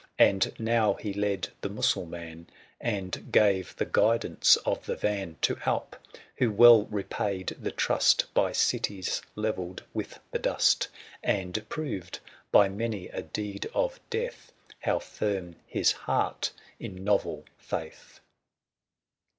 „» ^M And now he led the Mussulman, '' And gave the guidance of the van To Alp, who well repaid the trust 1 10 By cities levelled with the dust; ,/ And proved, by many a deed of death, i^^i\ ^| How firm his heart in novel faith.